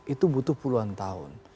itu butuh puluhan tahun